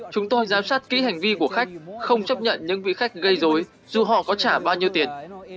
chúng tôi giám sát kỹ hành vi của khách không chấp nhận những vị khách gây dối dù họ có trả bao nhiêu tiền